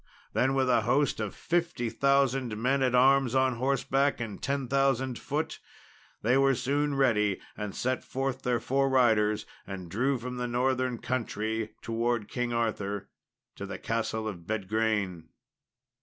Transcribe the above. Then, with a host of 50,000 men at arms on horseback, and 10,000 foot, they were soon ready, and sent forth their fore riders, and drew from the northern country towards King Arthur, to the castle of Bedgraine.